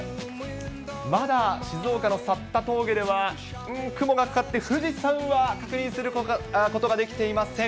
まだ静岡のさった峠では雲がかかって、富士山は確認することができていません。